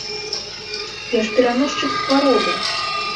Я ж пераносчык хваробы!